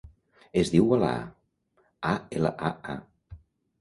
Es diu Alaa: a, ela, a, a.